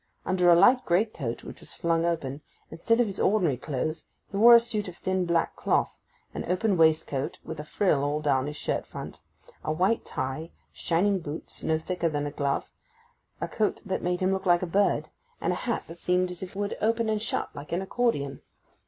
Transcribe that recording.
Under a light great coat, which was flung open, instead of his ordinary clothes he wore a suit of thin black cloth, an open waistcoat with a frill all down his shirt front, a white tie, shining boots, no thicker than a glove, a coat that made him look like a bird, and a hat that seemed as if it would open and shut like an accordion.